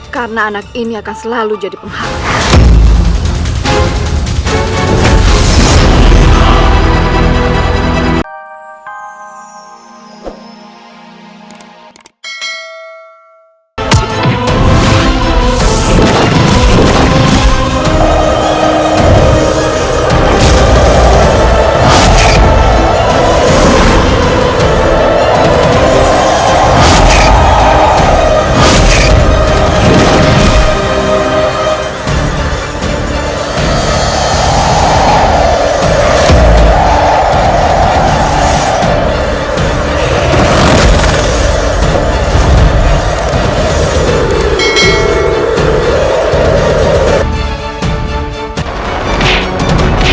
karena anak ini akan selalu jadi penghalang